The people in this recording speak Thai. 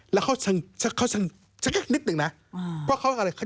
แล้วเขาจะ